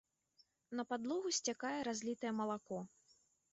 На падлогу сцякае разлітае малако.